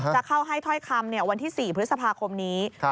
จะเข้าให้ถ้อยคำวันที่๔พฤษภาคมนี้